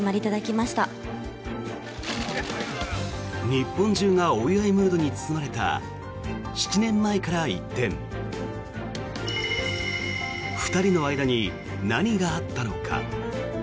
日本中がお祝いムードに包まれた７年前から一転２人の間に何があったのか。